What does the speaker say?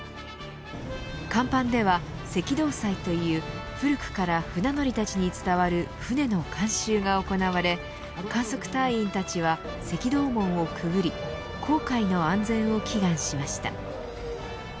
甲板では赤道祭という古くから船乗りたちに伝わる船の慣習が行われ観測隊員たちは赤道門をくぐり航海の安全を祈願しました。